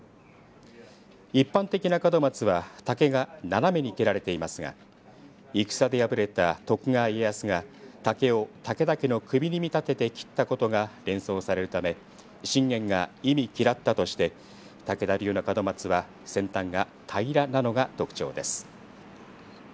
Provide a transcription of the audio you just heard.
一般的な門松は竹が斜めに切られていますが戦で敗れた徳川家康が竹を武田家の首に見立てて切ったことが連想されるため信玄が忌み嫌ったとして武田流の門松は先端が平らなのが特徴です。